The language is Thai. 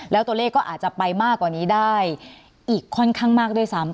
แล้วตัวเลขก็อาจจะไปมากกว่านี้ได้อีกค่อนข้างมากด้วยซ้ำ